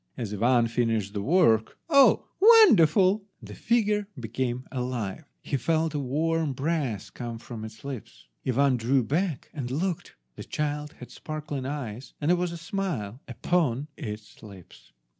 As Ivan finished the work, oh, wonderful! the figure became alive! He felt a warm breath come from its lips. Ivan drew back, and looked. The child had sparkling eyes, and there was a smile upon its lips.